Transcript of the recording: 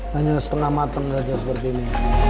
hanya setengah mateng saja seperti ini